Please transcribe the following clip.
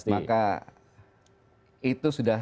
maka itu sudah